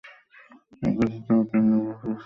এই কাজের জন্য তিনি নোবেল পুরস্কার লাভ করেন।